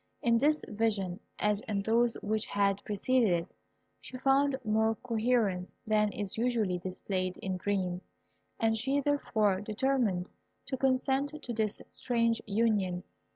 In this vision, as in those which had preceded it, she found more coherence than is usually displayed in dreams, and she therefore determined to consent to this strange union.